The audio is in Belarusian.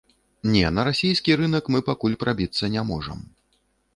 Не, на расійскі рынак мы пакуль прабіцца не можам.